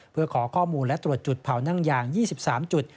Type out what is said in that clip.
เพื่อขอข้อมูลและตรวจจุดเผานั่งยาง๒๓จุด